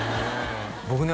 僕ね